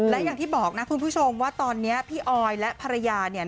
และอย่างที่บอกนะคุณผู้ชมว่าตอนนี้พี่ออยและภรรยาเนี่ย